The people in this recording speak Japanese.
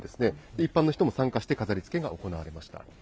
一般の人も参加して飾りつけが行われました。